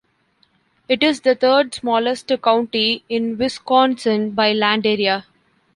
It is the third-smallest county in Wisconsin by land area.